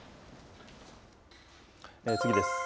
次です。